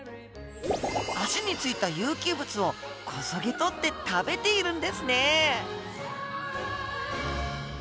脚に付いた有機物をこそげ取って食べているんですね。